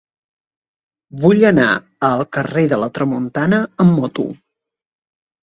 Vull anar al carrer de la Tramuntana amb moto.